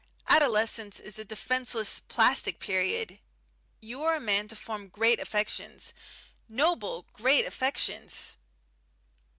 Adolescence is a defenceless plastic period. You are a man to form great affections, noble, great affections.